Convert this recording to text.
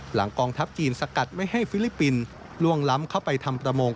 กองทัพจีนสกัดไม่ให้ฟิลิปปินส์ล่วงล้ำเข้าไปทำประมง